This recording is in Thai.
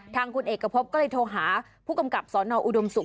ทางคุณเอกพบก็เลยโทรหาผู้กำกับสนอุดมศุกร์